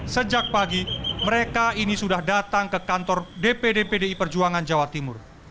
sejak pagi mereka ini sudah datang ke kantor dpd pdi perjuangan jawa timur